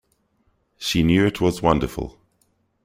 She knew it was wonderful.